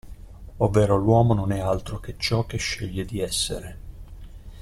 Ovvero l'uomo non è altro che ciò che sceglie di essere.